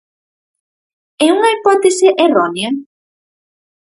É unha hipótese errónea?